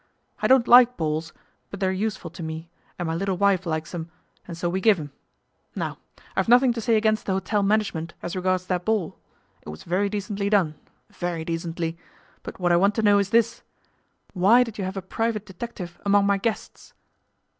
I don't like balls, but they're useful to me, and my little wife likes 'em, and so we give 'em. Now, I've nothing to say against the hotel management as regards that ball: it was very decently done, very decently, but what I want to know is this Why did you have a private detective among my guests?